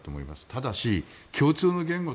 ただし共通の言語